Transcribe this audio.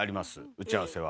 打ち合わせは。